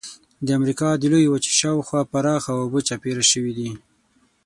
د امریکا د لویې وچې شاو خوا پراخه اوبه چاپېره شوې دي.